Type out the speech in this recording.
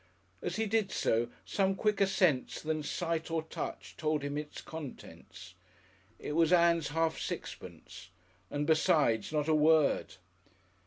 As he did so, some quicker sense than sight or touch told him its contents. It was Ann's half sixpence. And, besides, not a word!